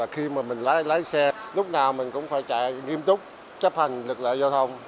khi mà mình lái xe lúc nào mình cũng phải chạy nghiêm túc chấp hành lực lượng giao thông